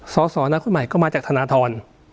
สอสอนักคนใหม่ก็มาจากธนทร